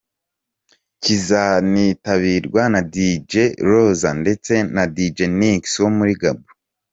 Kizanitabirwa na Dj Rojazz ndetse na Dj Nix wo muri Gabon.